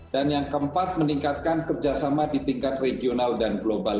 dan yang keempat meningkatkan kerjasama di tingkat regional dan global